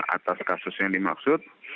atas kasus yang dimaksud